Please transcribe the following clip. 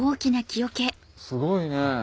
すごいね。